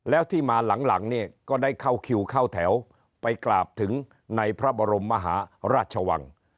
แล้วที่มาหลังเนี่ยก็ได้เข้าคิวเข้าแถวไปกราบถึงในพระบรมมหาราชวัง